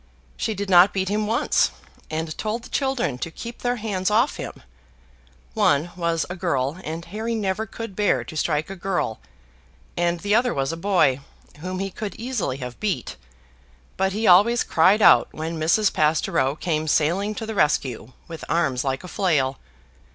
She did not beat him once, and told the children to keep their hands off him. One was a girl, and Harry never could bear to strike a girl; and the other was a boy, whom he could easily have beat, but he always cried out, when Mrs. Pastoureau came sailing to the rescue with arms like a flail.